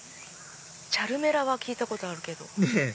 チャルメラは聞いたことあるけど。ねぇ